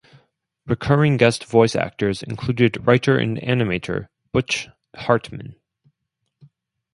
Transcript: Recurring guest voice actors included writer and animator Butch Hartman.